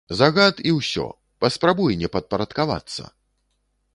Загад, і ўсё, паспрабуй не падпарадкавацца!